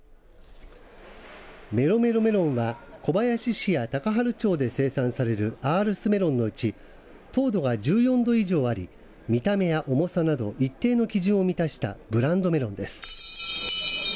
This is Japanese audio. めろめろメロンは小林市や高原町で生産されるアールスメロンのうち糖度が１４度以上あり見た目や重さなど一定の基準を満たしたブランドメロンです。